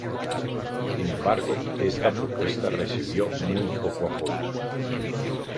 Sin embargo, esta propuesta recibió muy poco apoyo.